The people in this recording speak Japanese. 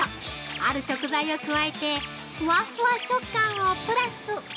ある食材を加えてふわふわ食感をプラス。